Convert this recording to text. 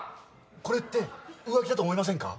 これって浮気だと思いませんか？